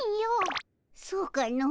そうかの。